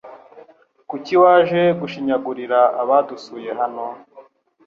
Kuki waje gushinyagurira abadusuye hano?